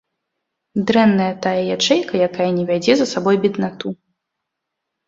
Дрэнная тая ячэйка, якая не вядзе за сабой беднату.